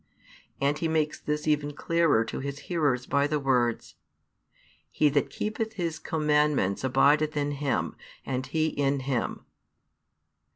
And he makes this even clearer to his hearers by the words, He that keepeth His commandments abideth in Him, and He in him.